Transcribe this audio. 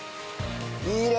いいね！